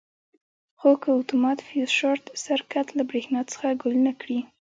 خو که اتومات فیوز شارټ سرکټ له برېښنا څخه ګل نه کړي.